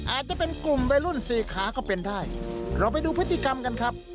อาจจะเป็นกลุ่มวัยรุ่นสี่ขาก็เป็นได้เราไปดูพฤติกรรมกันครับ